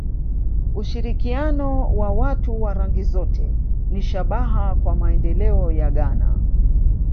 Ushirikiano wa watu wa rangi zote ni shabaha kwa maendeleo ya Ghana